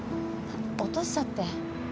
落としちゃって。